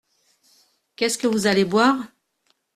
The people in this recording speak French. Qu’est-ce que vous allez boire ?